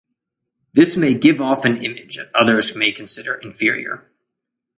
This may give off an image that others may consider inferior.